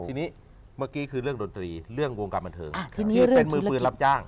ทีนี้เมื่อกี้คือเรื่องดนตรีเรื่องวงการบันเทิงคือเป็นมือปืนรับจ้าง